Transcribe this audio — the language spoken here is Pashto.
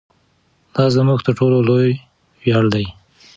دا زموږ تر ټولو لوی ویاړ دی.